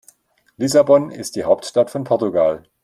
Lissabon ist die Hauptstadt von Portugal.